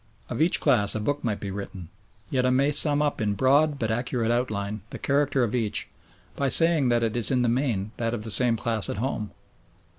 Of each class a book might be written, yet I may sum up in broad but accurate outline the character of each by saying that it is in the main that of the same class at home.